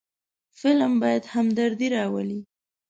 فلم باید همدردي راولي